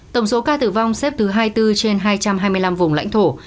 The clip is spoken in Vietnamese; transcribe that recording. tổng số ca tử vong xếp thứ hai mươi bốn trên hai trăm hai mươi năm vùng lãnh thổ